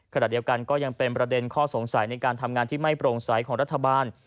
ขณะเดียวกันก็ยังเป็นประเด็นข้อสงสัยในการทำงานที่ไม่โปร่งใสของรัฐบาล